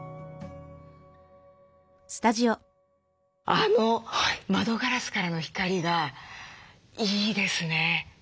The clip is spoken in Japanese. あの窓ガラスからの光がいいですね。